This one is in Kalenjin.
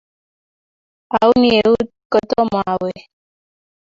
Auni eut kotomo awe